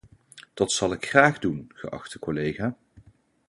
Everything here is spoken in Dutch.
Dat zal ik graag doen, geachte collega!